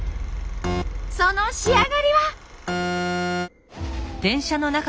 その仕上がりは。